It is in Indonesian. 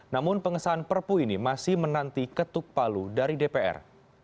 namun pengesahan perpu ini masih menanti ketuk palu dari dpr